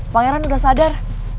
pangeran udah sadar